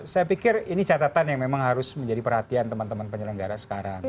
saya pikir ini catatan yang memang harus menjadi perhatian teman teman penyelenggara sekarang